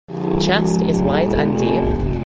Chest is wide and deep.